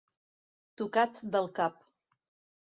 Tocat del cap.